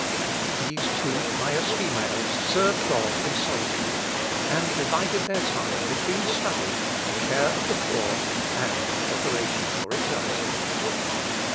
These two pious females served God in solitude, and divided their time between study, the care of the poor, and preparation for eternity.